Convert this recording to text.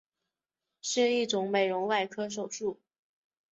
是一种美容外科手术。